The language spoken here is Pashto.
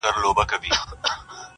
له خپله نظمه امېلونه جوړ کړم!.